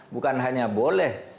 bukan hanya boleh